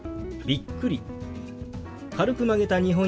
「びっくり」。